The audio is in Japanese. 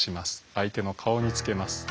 相手の顔につけます。